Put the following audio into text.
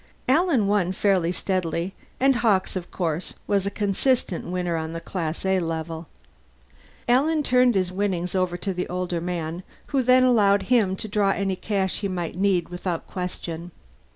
Alan won fairly steadily and Hawkes, of course, was a consistent winner on the Class A level. Alan turned his winnings over to the older man, who then allowed him to draw any cash he might need without question.